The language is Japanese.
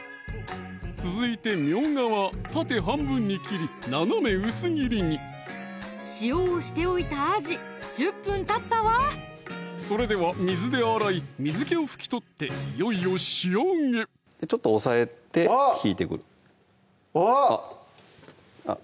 続いてみょうがは縦半分に切り斜め薄切りに塩をしておいたあじ１０分たったわそれでは水で洗い水気を拭き取っていよいよ仕上げちょっと押さえて引いてくるあっ！